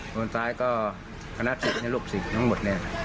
ตอนท้ายก็คณะศิษย์ให้ลูกศิษย์ทั้งหมด